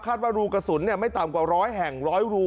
ว่ารูกระสุนไม่ต่ำกว่าร้อยแห่งร้อยรู